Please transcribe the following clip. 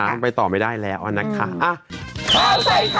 มันไปต่อไม่ได้แล้วนะคะ